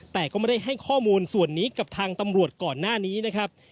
แต่ก็ไม่ได้ให้ข้อมูลส่วนนี้กับทางตำรวจก่อนหน้านี้นะครับ